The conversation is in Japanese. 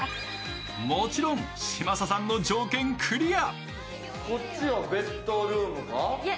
もちろん嶋佐さんの条件クリア。